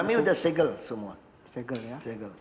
kami sudah segel semua